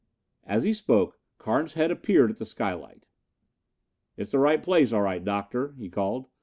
As he spoke, Carnes' head appeared at the skylight. "It's the right place, all right, Doctor," he called.